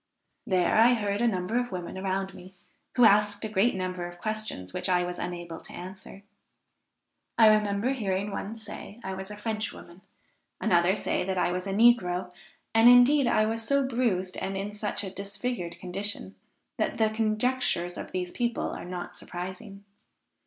There I heard a number of women around me, who asked a great number of questions which I was unable to answer. I remember hearing one say I was a French woman; another say that I was a negro, and indeed I was so bruised, and in such a disfigured condition, that the conjectures of these people are not surprising.